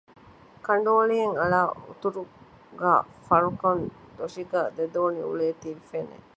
ކަނޑު އޮޅިއެއް އަޅައި އުތުރުގައި ފަރުކަން ދޮށުގައި ދެ ދޯނި އުޅޭތީ ފެނެ